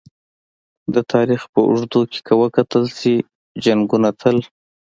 د تاریخ په اوږدو کې که وکتل شي! جنګونه تل